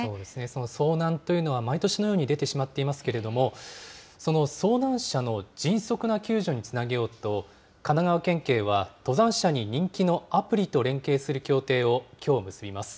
その遭難というのは、毎年のように出てしまっていますけれども、その遭難者の迅速な救助につなげようと、神奈川県警は、登山者に人気のアプリと連携する協定をきょう結びます。